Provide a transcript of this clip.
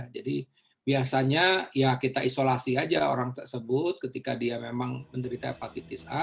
jadi biasanya ya kita isolasi aja orang tersebut ketika dia memang menderita hepatitis a